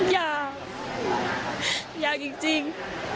อยากอยากจริง